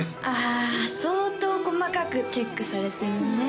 あ相当細かくチェックされてるね